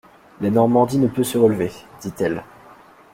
La Normandie ne peut se relever, dit-elle.